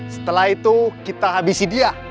setelah itu kita habisi dia